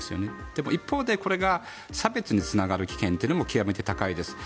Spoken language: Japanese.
でも一方でこれが差別につながる危険も極めて高いです。